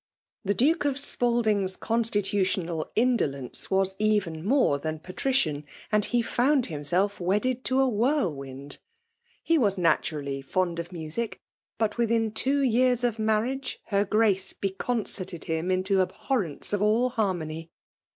The Duke of Spalding's con stittttional indolence was even more than patri* cian, and he found himself wedded to a whirl wind ! He was naturally fond of music ; but within two years of his marriage, her Grace b« N 2 268 FfclMALK DOMINATION. concerted him into abhorrence of all harmony.